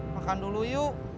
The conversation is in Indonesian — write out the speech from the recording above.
makan dulu yuk